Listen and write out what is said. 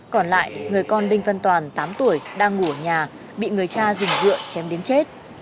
còn lại người con đinh văn toàn tám tuổi đang ngủ ở nhà bị người cha dùng dựa chém đến chết